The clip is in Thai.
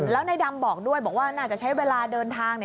แล้วนายดำบอกด้วยบอกว่าน่าจะใช้เวลาเดินทาง